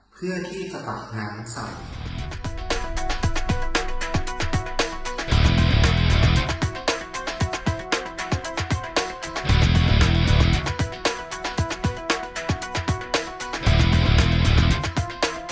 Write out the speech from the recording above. เพื่อที่จะต่อทางงานทั้งสอง